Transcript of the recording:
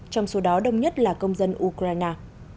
trong số đó đông nhất là công dân ukraine